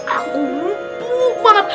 aku mumpuk banget